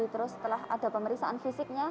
terus setelah ada pemeriksaan fisiknya